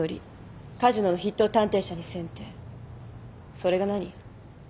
それが何？